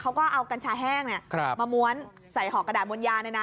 เขาก็เอากัญชาแห้งเนี้ยครับมาม้วนใส่หอกกระดาษมนต์ยาเนี้ยน่ะ